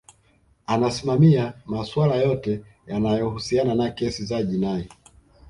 anasimamia maswala yote yanayohusiana na kesi za jinai